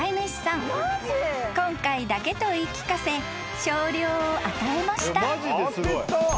［今回だけと言い聞かせ少量を与えました］